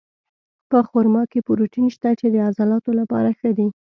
په خرما کې پروټین شته، چې د عضلاتو لپاره ښه دي.